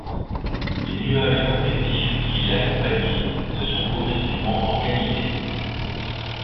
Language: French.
Les nuages convectifs qui l'accompagnaient se sont progressivement organisés.